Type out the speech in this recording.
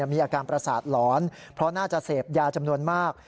มีอาการประสาทหลอนเพราะน่าจะเสพยาจำนวนมาก